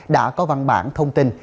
đã có văn bản thông tin